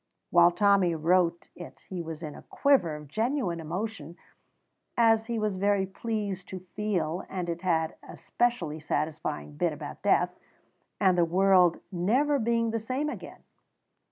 While Tommy wrote it he was in a quiver of genuine emotion, as he was very pleased to feel, and it had a specially satisfying bit about death, and the world never being the same again.